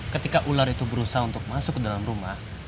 ketika ular itu berusaha untuk masuk ke dalam rumah